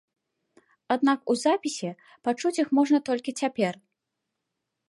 Аднак у запісе пачуць іх можна толькі цяпер.